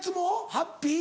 ハッピー？